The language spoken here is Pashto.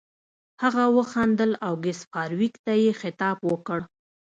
هغه وخندل او ګس فارویک ته یې خطاب وکړ